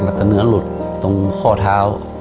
แล้วก็เนื้อหลุดตรงข้อเท้า